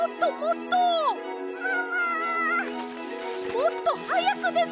もっとはやくです！